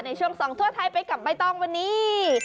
ในช่วงส่องทั่วไทยไปกับใบตองวันนี้